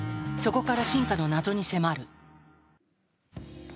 そこから進化の謎に迫る。